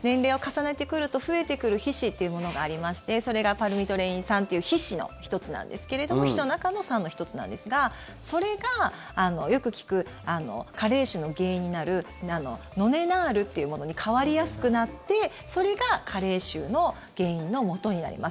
年齢を重ねてくると増えてくる皮脂っていうものがありましてそれがパルミトレイン酸っていう皮脂の１つなんですけれども皮脂の中の酸の１つなんですがそれがよく聞く加齢臭の原因になるノネナールっていうものに変わりやすくなってそれが加齢臭の原因のもとになります。